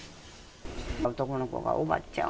男の子がおばちゃん！